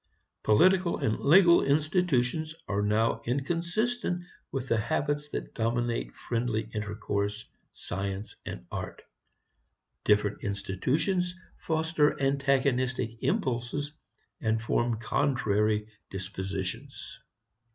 Political and legal institutions are now inconsistent with the habits that dominate friendly intercourse, science and art. Different institutions foster antagonistic impulses and form contrary dispositions.